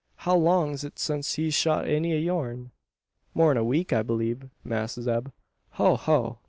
How long's it since he shod any o' yourn?" "More'n a week I blieb, Mass' Zeb. Ho ho!